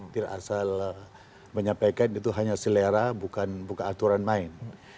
tidak asal menyampaikan itu hanya selera bukan buka aturan main